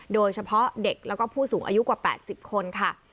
โดยเฉพาะเด็กแล้วก็ผู้สูงอายุกว่า๘๐คนค่ะ